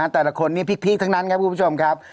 แต่ละคนนี้พีคทั้งนั้นครับคุณผู้ชมครับ